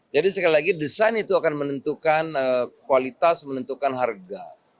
jadi sekali lagi desain itu akan menentukan kualitas menentukan harga